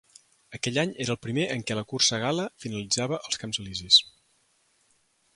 Aquell any era el primer en què la cursa gal·la finalitzava als Camps Elisis.